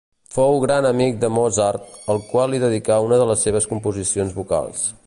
Fou gran amic de Mozart, el qual li dedicà una de les seves composicions vocals.